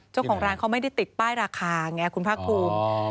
เจ้าของร้านเขาไม่ได้ติดป้ายราคาไงคุณภาคภูมิ